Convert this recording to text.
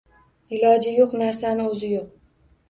Iloji yo'q narsani o'zi yo'q.